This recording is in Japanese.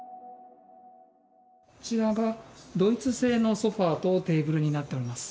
こちらがドイツ製のソファとテーブルになっております。